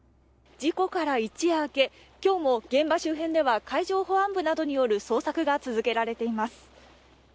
事故から一夜明けきょうも現場周辺では海上保安部などによる捜索が続けられています